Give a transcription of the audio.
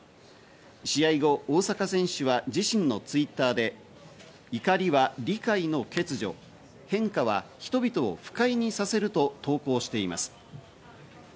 試合後、大坂選手は自身のＴｗｉｔｔｅｒで怒りは理解の欠如、変化は人々を不快にさせると投稿しています。